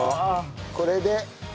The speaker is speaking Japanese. これで。